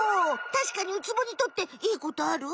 たしかにウツボにとっていいことある？